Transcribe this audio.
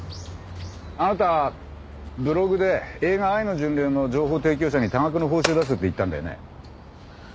あなたブログで映画『愛の巡礼』の情報提供者に多額の報酬出すって言ったんだよね？